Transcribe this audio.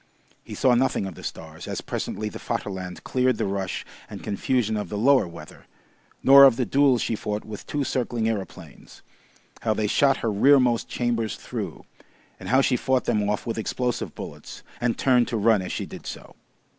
He saw nothing of the stars, as presently the Vaterland cleared the rush and confusion of the lower weather, nor of the duel she fought with two circling aeroplanes, how they shot her rear most chambers through, and how she fought them off with explosive bullets and turned to run as she did so.